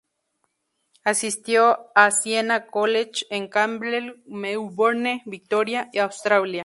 Asistió al Siena College en Camberwell, Melbourne, Victoria, Australia.